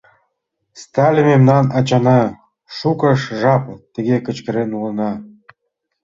«Сталин — мемнан ачана!» — шуко жап тыге кычкырен улына.